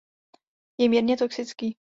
Je mírně toxický.